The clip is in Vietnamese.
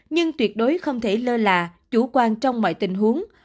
nhưng tuyệt đối không thể lơ là chủ quan trong mọi tình huống